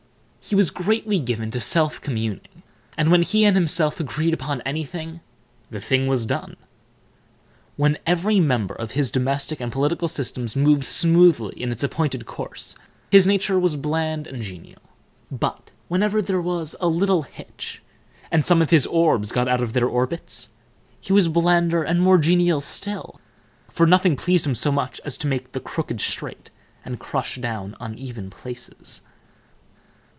He was greatly given to self communing, and, when he and himself agreed upon anything, the thing was done. When every member of his domestic and political systems moved smoothly in its appointed course, his nature was bland and genial; but, whenever there was a little hitch, and some of his orbs got out of their orbits, he was blander and more genial still, for nothing pleased him so much as to make the crooked straight and crush down uneven places.